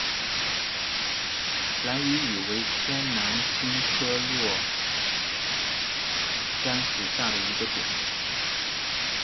兰屿芋为天南星科落檐属下的一个种。